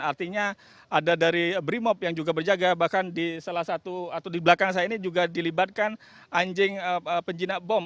artinya ada dari brimob yang juga berjaga bahkan di salah satu atau di belakang saya ini juga dilibatkan anjing penjinak bom